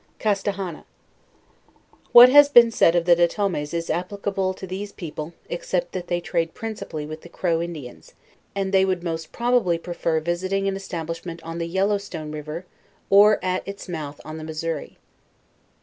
CASTAHANA. What has been said of the Dotames is ap plicable to these people, except that they trade principally with the Crow Indians, and they would most probably prefer visiting an establishment on the Yellow Stone river, or at its mouth on the Missouri.